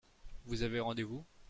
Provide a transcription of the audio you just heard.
Vous avez rendez-vous ?